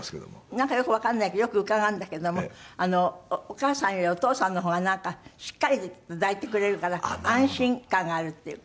なんかよくわかんないけどよく伺うんだけどもお母さんよりお父さんの方がしっかり抱いてくれるから安心感があるっていうか。